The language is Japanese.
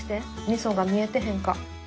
みそが見えてへんか。